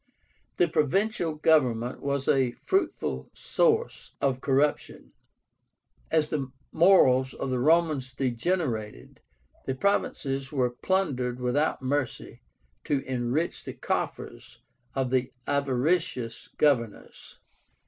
The provincial government was a fruitful source of corruption. As the morals of the Romans degenerated, the provinces were plundered without mercy to enrich the coffers of the avaricious governors.